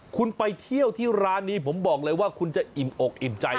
คุณไปเที่ยวที่ร้านนี้ผมบอกเลยว่าคุณจะอิ่มอกอิ่มใจ